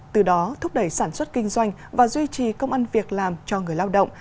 từ đó thúc đẩy sản xuất kinh doanh và duy trì công an việc làm cho người lao động